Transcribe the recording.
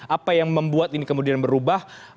apa yang membuat ini kemudian berubah